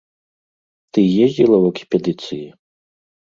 Ты ездзіла ў экспедыцыі?